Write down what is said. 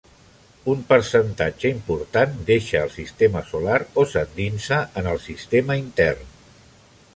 Un percentatge important deixa el Sistema Solar o s'endinsa en el sistema intern.